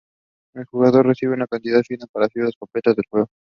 El jugador recibe una cantidad finita de vidas para completar el juego.